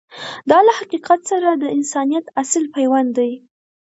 دا له حقیقت سره د انسانیت اصیل پیوند دی.